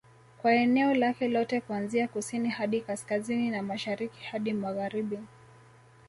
Kwa eneo lake lote kuanzia kusini hadi kaskazini na Mashariki hadi Magharibi